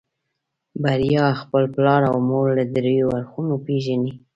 بريا خپل پلار او مور له دريو اړخونو پېژني.